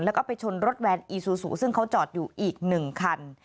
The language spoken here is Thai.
แล้วก็ไปชนรถแวนอีซูซูซึ่งเขาจอดอยู่อีก๑คัน